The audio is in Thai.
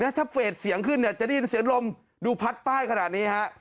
ถ้าเฟสเสียงขึ้นเนี่ยจะได้ยินเสียงลมดูพัดป้ายขนาดนี้ฮะ